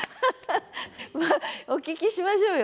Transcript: お聞きしましょうよ。